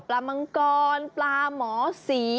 ปลามังกรปลาหมอศรี